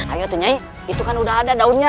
ayo tunyai itu kan udah ada daunnya